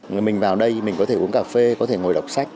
người mình vào đây mình có thể uống cà phê có thể ngồi đọc sách